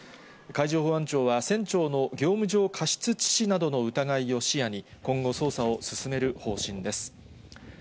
海上保安庁は、船長の業務上過失致死などの疑いを視野に今後、捜査を進める方針です。